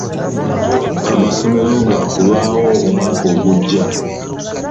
Amasomero gaakuggulwaawo omwaka oguggya.